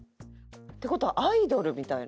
って事はアイドルみたいな？